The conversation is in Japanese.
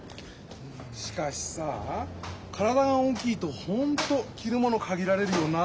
しかしさあ体が大きいと本当着るもの限られるよな。